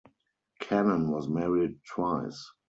Cannon was married twice.